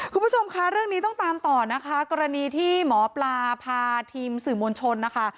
คุณผู้ชมค่ะเรื่องนี้ต้องตามต่อนะคะกรณีที่หมอปลาพาทีมสื่อมวลชนนะคะ